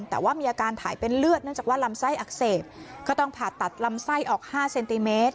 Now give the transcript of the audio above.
แต่ว่ามีอาการถ่ายเป็นเลือดเนื่องจากว่าลำไส้อักเสบก็ต้องผ่าตัดลำไส้ออก๕เซนติเมตร